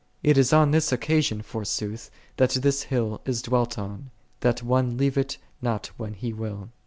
It is on this condition, forsooth, that this hill is dwelt on; that one leave it not when he will.